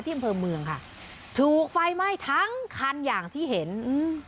อำเภอเมืองค่ะถูกไฟไหม้ทั้งคันอย่างที่เห็นอืม